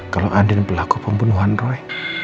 kalau andin berlaku pembunuhan roy